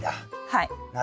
はい。